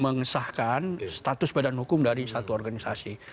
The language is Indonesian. mengesahkan status badan hukum dari satu organisasi